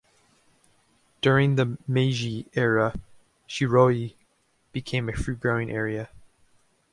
During the Meiji era, Shiroi became a fruit-growing area.